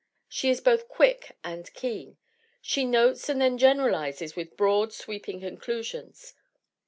She is both quick and keen. She notes and then generalizes with broad, sweeping conclusions.